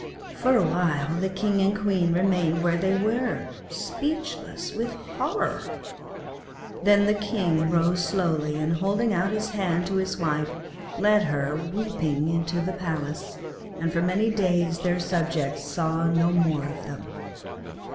For a while the king and queen remained where they were, speechless with horror. Then the king rose slowly, and holding out his hand to his wife, led her weeping into the palace, and for many days their subjects saw no more of them.